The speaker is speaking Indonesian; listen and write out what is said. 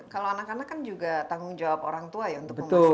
kalau anak anak kan juga tanggung jawab orang tua ya untuk memastikan